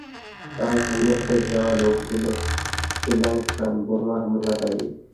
তার সামনে হেঁটে যাওয়া লোকগুলো শ্রীলংকান বোমা হামলাকারী।